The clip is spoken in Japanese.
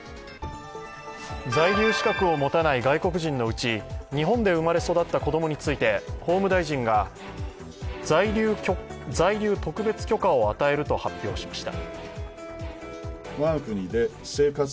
在留資格を持たない外国人のうち日本で生まれ育った子供について法務大臣は、在留特別許可を与えると発表しました。